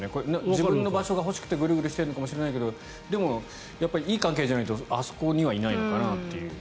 自分の場所が欲しくてぐるぐるしてるのかもしれないけどいい関係じゃないとあそこにはいないのかなという。